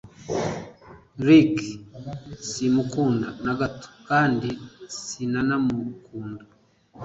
Rick simukunda nagato kandi sinanamukunda